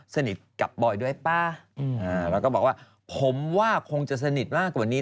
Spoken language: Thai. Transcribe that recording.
สนิทกับบอยด้วยป่ะแล้วก็บอกว่าผมว่าคงจะสนิทมากกว่านี้